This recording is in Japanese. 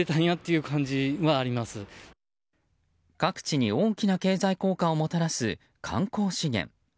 各地に大きな経済効果をもたらす観光資源。